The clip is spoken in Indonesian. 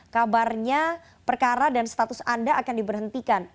kabarnya perkara dan status anda akan diberhentikan